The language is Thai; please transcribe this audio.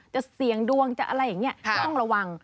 จะเสี่ยงดวงจะอะไรอย่างนี้ก็ต้องระวัง